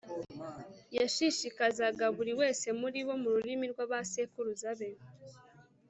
yashishikazaga buri wese muri bo mu rurimi rw'abasekuruza be